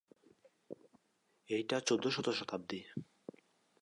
এইটা চৌদ্দশত শতাব্দী।